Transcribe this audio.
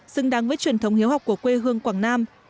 xứng đáng với truyền thống hiếu học của quê hương quảng nam